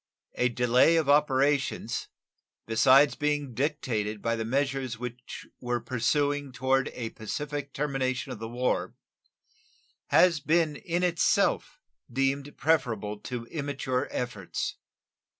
A delay of operations (besides being dictated by the measures which were pursuing toward a pacific termination of the war) has been in itself deemed preferable to immature efforts.